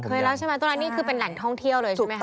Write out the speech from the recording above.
แล้วใช่ไหมตรงนั้นนี่คือเป็นแหล่งท่องเที่ยวเลยใช่ไหมคะ